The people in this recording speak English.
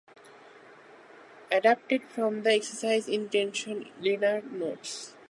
Adapted from the "Exercise in Tension" liner notes.